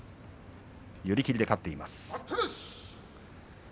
寄り切りで勝っています。